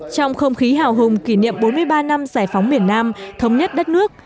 trong không khí hào hùng kỷ niệm bốn mươi ba năm giải phóng miền nam thống nhất đất nước